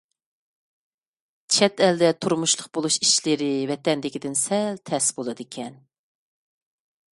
چەت ئەلدە تۇرمۇشلۇق بولۇش ئىشلىرى ۋەتەندىكىدىن سەل تەس بولىدىكەن.